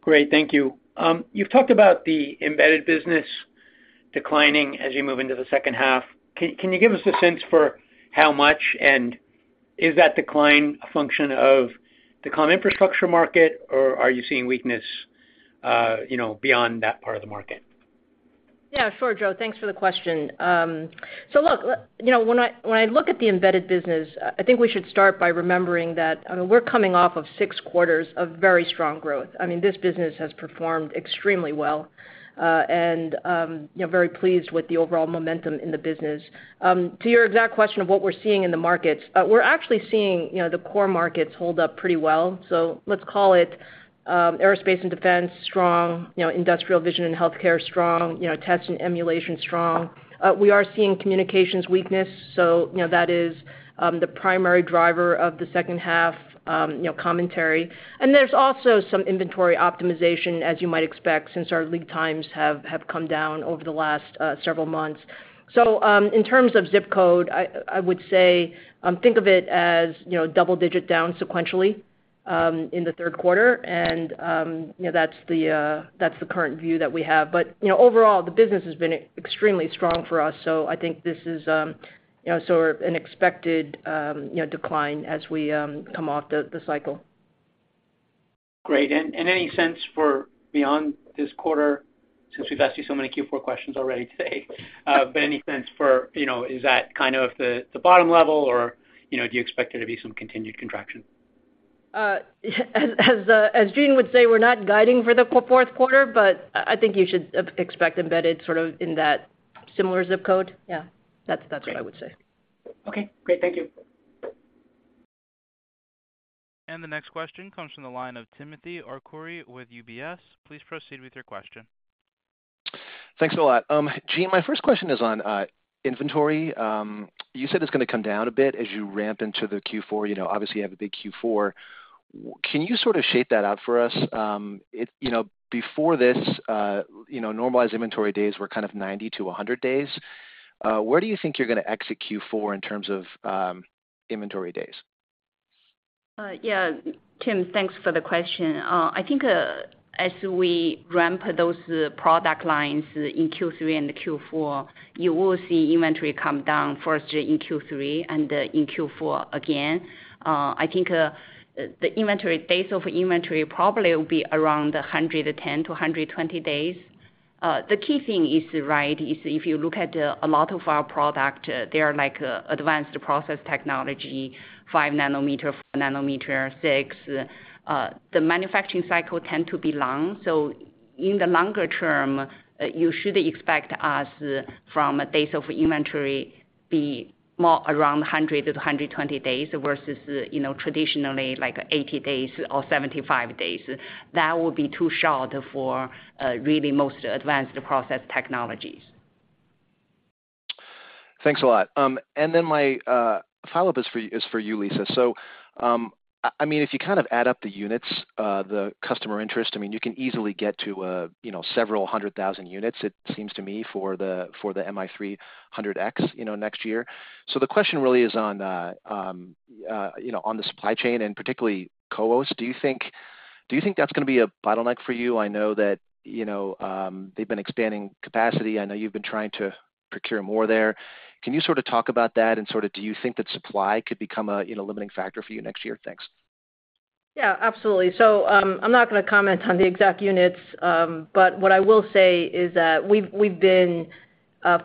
Great, thank you. You've talked about the embedded business declining as you move into the second half. Can you give us a sense for how much, and is that decline a function of the comm infrastructure market, or are you seeing weakness, you know, beyond that part of the market? Yeah, sure, Joe. Thanks for the question. So look, you know, when I, when I look at the embedded business, I think we should start by remembering that, I mean, we're coming off of six quarters of very strong growth. I mean, this business has performed extremely well, and, you know, very pleased with the overall momentum in the business. To your exact question of what we're seeing in the markets, we're actually seeing, you know, the core markets hold up pretty well. Let's call it, aerospace and defense, strong, you know, industrial vision and healthcare, strong, you know, test and emulation, strong. We are seeing communications weakness, so, you know, that is, the primary driver of the second half, you know, commentary. There's also some inventory optimization, as you might expect, since our lead times have, have come down over the last several months. In terms of zip code, I, I would say, think of it as, you know, double-digit down sequentially in the Q3, and, you know, that's the current view that we have. Overall, you know, the business has been extremely strong for us, so I think this is, you know, sort of an expected, you know, decline as we come off the cycle. Great. Any sense for beyond this quarter, since we've asked you so many Q4 questions already today, but any sense for, you know, is that kind of the, the bottom level, or, you know, do you expect there to be some continued contraction? As, as Jean would say, we're not guiding for the Q4, but I think you should expect embedded sort of in that similar zip code. Yeah, that's, that's what I would say. Okay, great. Thank you. The next question comes from the line of Timothy Arcuri with UBS. Please proceed with your question. Thanks a lot. Jean, my first question is on inventory. You said it's gonna come down a bit as you ramp into the Q4. You know, obviously, you have a big Q4. Can you sort of shape that out for us? You know, before this, you know, normalized inventory days were kind of 90 to 100 days. Where do you think you're gonna execute Q4 in terms of inventory days? Yeah, Tim, thanks for the question. I think, as we ramp those, product lines in Q3 and Q4, you will see inventory come down first in Q3 and, in Q4 again. I think, the inventory, days of inventory probably will be around 110 to 120 days. The key thing is, right, is if you look at, a lot of our product, they are like, advanced process technology, 5 nanometer, 4 nanometer, 6. The manufacturing cycle tend to be long, so in the longer term, you should expect us, from a days of inventory, be more around 100 to 120 days versus, you know, traditionally, like 80 days or 75 days. That will be too short for, really most advanced process technologies. Thanks a lot. My follow-up is for, is for you, Lisa. I mean, if you kind of add up the units, the customer interest, I mean, you can easily get to, you know, several hundred thousand units, it seems to me, for the, for the MI300X, you know, next year. The question really is on, you know, on the supply chain and particularly CoWoS. Do you think, do you think that's gonna be a bottleneck for you? I know that, you know, they've been expanding capacity. I know you've been trying to procure more there. Can you sort of talk about that and sort of do you think that supply could become a, you know, limiting factor for you next year? Thanks. Yeah, absolutely. I'm not gonna comment on the exact units, but what I will say is that we've, we've been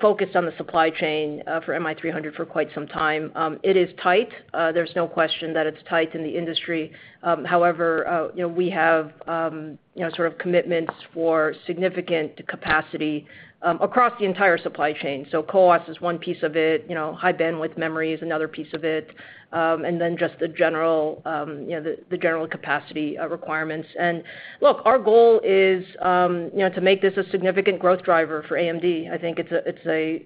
focused on the supply chain for MI300 for quite some time. It is tight. There's no question that it's tight in the industry. However, you know, we have, you know, sort of commitments for significant capacity across the entire supply chain. CoWoS is one piece of it, you know, High Bandwidth Memory is another piece of it, and then just the general, you know, the, the general capacity requirements. Look, our goal is, you know, to make this a significant growth driver for AMD. I think it's a, it's a,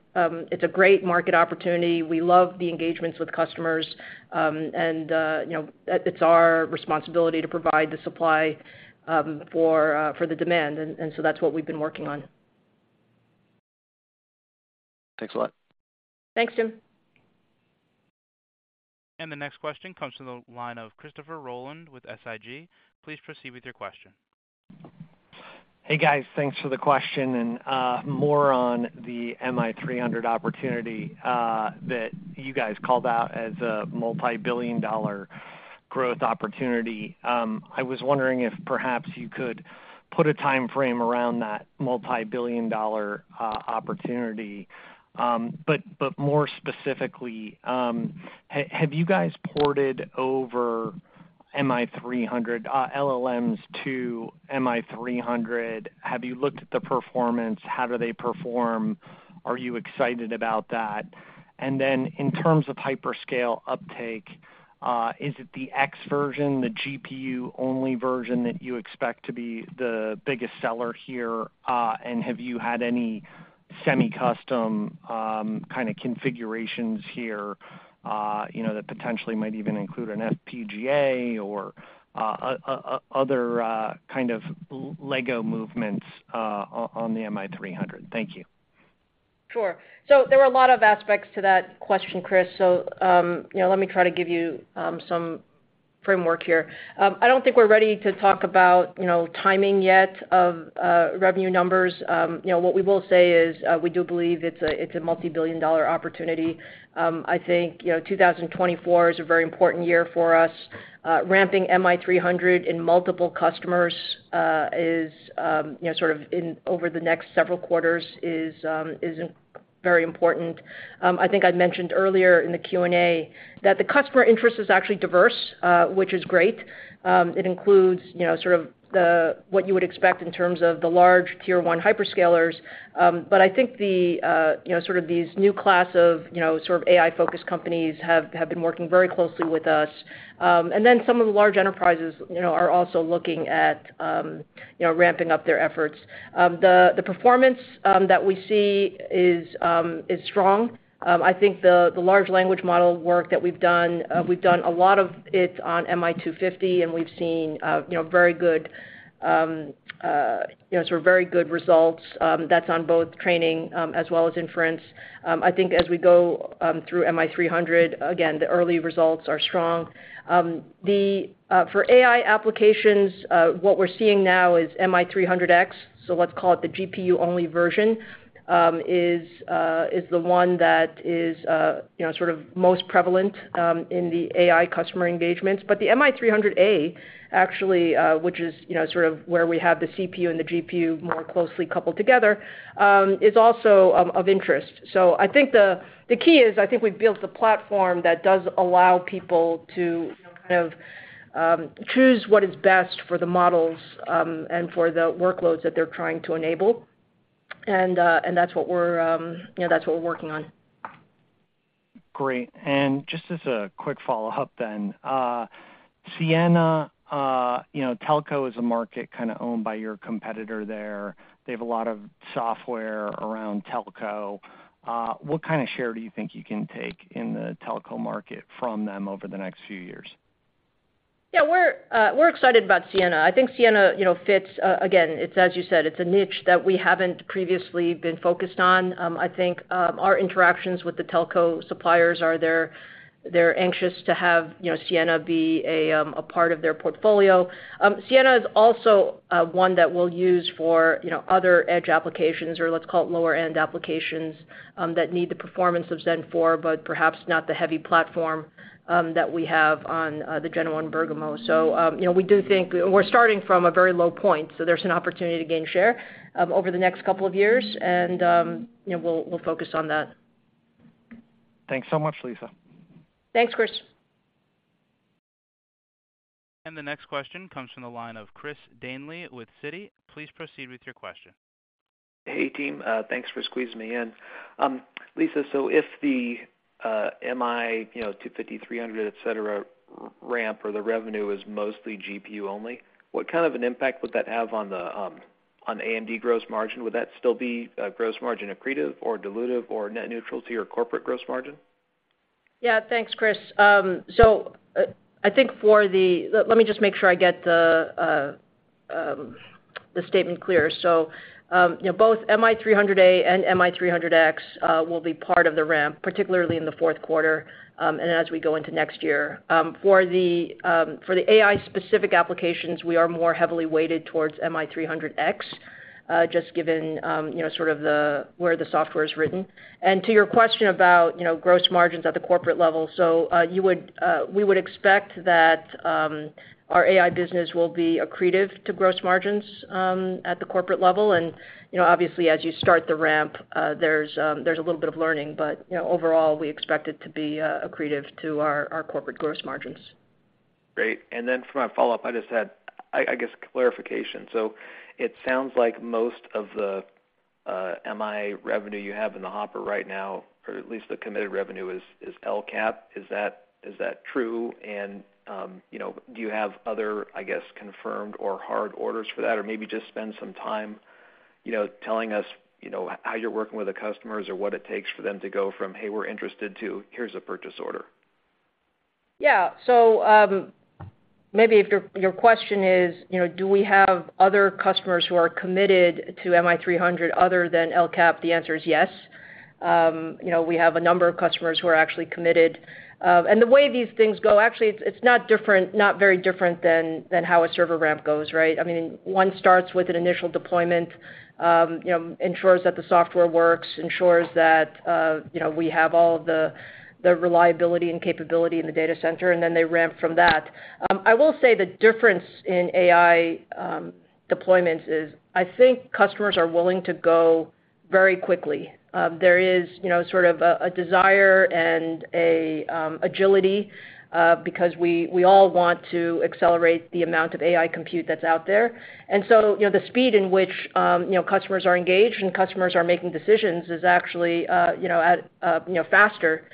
it's a great market opportunity. We love the engagements with customers, and, you know, it's our responsibility to provide the supply, for the demand, and, and so that's what we've been working on. Thanks a lot. Thanks, Tim. The next question comes from the line of Christopher Rolland with SIG. Please proceed with your question. Hey, guys. Thanks for the question, and more on the MI300 opportunity that you guys called out as a multi-billion dollar growth opportunity. I was wondering if perhaps you could put a time frame around that multi-billion dollar opportunity. More specifically, have you guys ported over MI300 LLMs to MI300? Have you looked at the performance? How do they perform? Are you excited about that? In terms of hyperscale uptake, is it the X version, the GPU-only version, that you expect to be the biggest seller here? Have you had any semi-custom kind of configurations here, you know, that potentially might even include an FPGA or other kind of LEGO movements on the MI300? Thank you. Sure. There were a lot of aspects to that question, Chris. you know, let me try to give you some framework here. I don't think we're ready to talk about, you know, timing yet of revenue numbers. you know, what we will say is, we do believe it's a, it's a multi-billion dollar opportunity. I think, you know, 2024 is a very important year for us. ramping MI300 in multiple customers is, you know, sort of over the next several quarters is very important. I think I mentioned earlier in the Q&A that the customer interest is actually diverse, which is great. it includes, you know, sort of the, what you would expect in terms of the large tier one hyperscalers. I think the, you know, sort of these new class of, you know, sort of AI-focused companies have, have been working very closely with us. Some of the large enterprises, you know, are also looking at, you know, ramping up their efforts. The, the performance that we see is strong. I think the, the large language model work that we've done, we've done a lot of it on MI250, and we've seen, you know, very good, you know, sort of very good results. That's on both training, as well as inference. I think as we go through MI300, again, the early results are strong. The for AI applications, what we're seeing now is MI300X, so let's call it the GPU-only version, is the one that is, you know, sort of most prevalent, in the AI customer engagements. The MI300A, actually, which is, you know, sort of where we have the CPU and the GPU more closely coupled together, is also of, of interest. I think the, the key is, I think we've built a platform that does allow people to, you know, kind of, choose what is best for the models, and for the workloads that they're trying to enable. That's what we're, you know, that's what we're working on. Great. Just as a quick follow-up then. Siena, you know, Telco is a market kind of owned by your competitor there. They have a lot of software around Telco. What kind of share do you think you can take in the Telco market from them over the next few years? Yeah, we're excited about Siena. I think Siena, you know, fits, again, it's as you said, it's a niche that we haven't previously been focused on. I think our interactions with the telco suppliers are, they're, they're anxious to have, you know, Siena be a part of their portfolio. Siena is also one that we'll use for, you know, other edge applications or let's call it lower-end applications that need the performance of Zen 4, but perhaps not the heavy platform that we have on the Genoa and Bergamo. You know, we do think we're starting from a very low point, so there's an opportunity to gain share over the next couple of years, and, you know, we'll, we'll focus on that. Thanks so much, Lisa. Thanks, Chris. The next question comes from the line of Christopher Danely with Citi. Please proceed with your question. Hey, team. Thanks for squeezing me in. Lisa, if the MI, you know, 250, 300, et cetera, ramp or the revenue is mostly GPU only, what kind of an impact would that have on the AMD gross margin? Would that still be a gross margin accretive or dilutive or net neutral to your corporate gross margin? Yeah. Thanks, Chris. I think for the... Le-let me just make sure I get the statement clear. You know, both MI300A and MI300X will be part of the ramp, particularly in the Q4, and as we go into next year. For the AI-specific applications, we are more heavily weighted towards MI300X, just given, you know, sort of the, where the software is written. To your question about, you know, gross margins at the corporate level, you would, we would expect that our AI business will be accretive to gross margins at the corporate level. You know, obviously, as you start the ramp, there's a little bit of learning, but, you know, overall, we expect it to be accretive to our, our corporate gross margins. Great. Then for my follow-up, I just had, I guess, clarification. It sounds like most of the MI revenue you have in the hopper right now, or at least the committed revenue, is El Cap. Is that true? You know, do you have other, I guess, confirmed or hard orders for that? Or maybe just spend some time, you know, telling us, you know, how you're working with the customers or what it takes for them to go from, "Hey, we're interested," to, "Here's a purchase order. Yeah. Maybe if your, your question is, you know, do we have other customers who are committed to MI300 other than El Cap? The answer is yes. You know, we have a number of customers who are actually committed. The way these things go, actually, it's not different, not very different than how a server ramp goes, right? I mean, one starts with an initial deployment, you know, ensures that the software works, ensures that, you know, we have all the reliability and capability in the data center, and then they ramp from that. I will say the difference in AI deployments is, I think customers are willing to go very quickly. There is, you know, sort of a, a desire and a, agility, because we, we all want to accelerate the amount of AI compute that's out there. You know, the speed in which, you know, customers are engaged and customers are making decisions is actually, you know, at, you know, faster,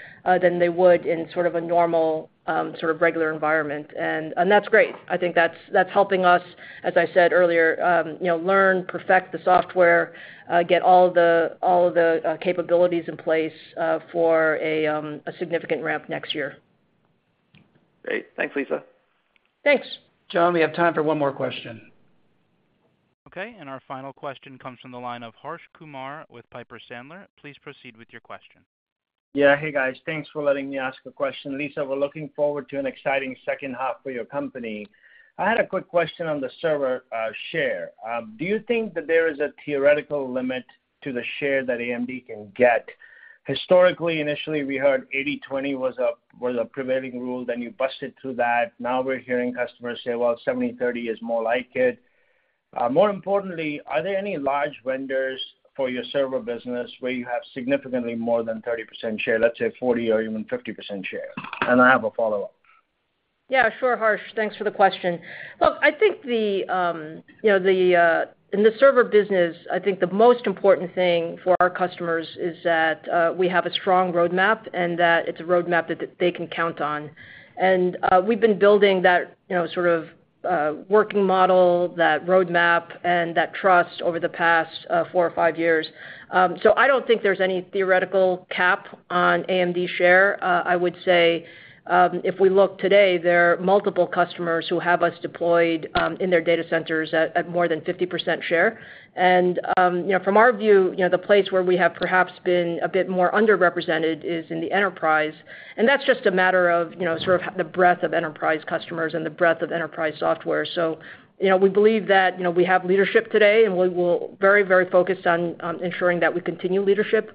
than they would in sort of a normal, sort of regular environment. That's great. I think that's, that's helping us, as I said earlier, you know, learn, perfect the software, get all the, all of the, capabilities in place, for a, a significant ramp next year. Great. Thanks, Lisa. Thanks. John, we have time for one more question. Okay, our final question comes from the line of Harsh Kumar with Piper Sandler. Please proceed with your question. Yeah. Hey, guys. Thanks for letting me ask a question. Lisa, we're looking forward to an exciting second half for your company. I had a quick question on the server share. Do you think that there is a theoretical limit to the share that AMD can get? Historically, initially, we heard 80-20 was a prevailing rule, then you busted through that. Now, we're hearing customers say, well, 70-30 is more like it. More importantly, are there any large vendors for your server business where you have significantly more than 30% share, let's say 40% or even 50% share? I have a follow-up. Yeah, sure, Harsh. Thanks for the question. Look, I think the, you know, in the server business, I think the most important thing for our customers is that we have a strong roadmap and that it's a roadmap that they can count on. We've been building that, you know, sort of, working model, that roadmap and that trust over the past, four or five years. I don't think there's any theoretical cap on AMD share. I would say, if we look today, there are multiple customers who have us deployed in their data centers at more than 50% share. From our view, you know, the place where we have perhaps been a bit more underrepresented is in the enterprise, and that's just a matter of, you know, sort of the breadth of enterprise customers and the breadth of enterprise software. We believe that, you know, we have leadership today, and we will very, very focused on ensuring that we continue leadership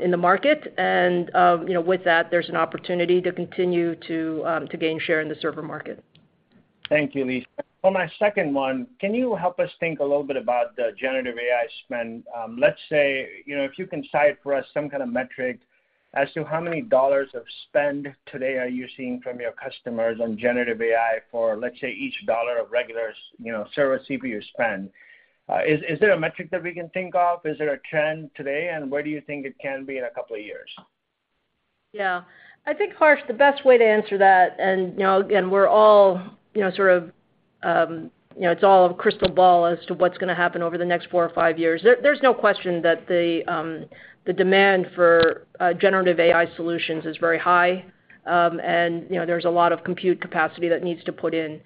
in the market. With that, you know, there's an opportunity to continue to gain share in the server market. Thank you, Lisa. For my second one, can you help us think a little bit about the generative AI spend? Let's say, you know, if you can cite for us some kind of metric as to how many dollars of spend today are you seeing from your customers on generative AI for, let's say, each dollar of regular, you know, server CPU spend. Is there a metric that we can think of? Is there a trend today, and where do you think it can be in a couple of years? Yeah. I think, Harsh, the best way to answer that, and, you know, again, we're all, you know, sort of, you know, it's all a crystal ball as to what's gonna happen over the next 4 or 5 years. There, there's no question that the demand for generative AI solutions is very high, and, you know, there's a lot of compute capacity that needs to put in.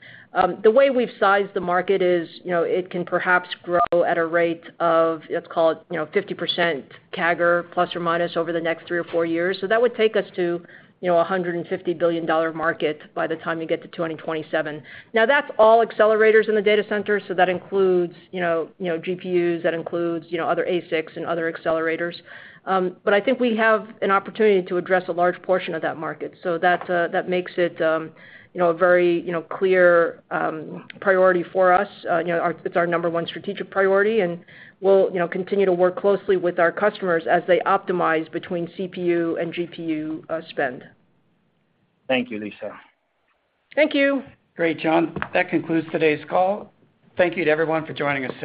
The way we've sized the market is, you know, it can perhaps grow at a rate of, let's call it, you know, 50% CAGR, ±, over the next 3 or 4 years. That would take us to, you know, a $150 billion market by the time you get to 2027. That's all accelerators in the data center, so that includes, you know, you know, GPUs, that includes, you know, other ASICs and other accelerators. But I think we have an opportunity to address a large portion of that market. That makes it, you know, a very, you know, clear priority for us. You know, our- it's our number one strategic priority, and we'll, you know, continue to work closely with our customers as they optimize between CPU and GPU spend. Thank you, Lisa. Thank you. Great, John. That concludes today's call. Thank you to everyone for joining us today.